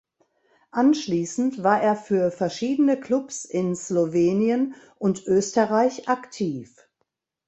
Anschließend war er für verschiedene Clubs in Slowenien und Österreich aktiv.